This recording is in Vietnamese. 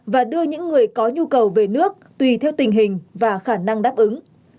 và đưa những người có nhu cầu về nước tùy theo tình hình và khả năng đáp ứng